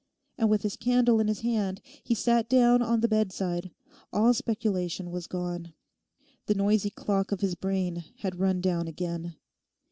And with his candle in his hand he sat down on the bedside. All speculation was gone. The noisy clock of his brain had run down again.